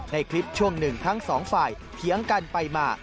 ในคลิปช่วงหนึ่งทั้งสองฝ่ายเถียงกันไปมา